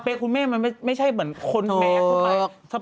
สเปกแม่ไม่ใช่ความมาชกชอบ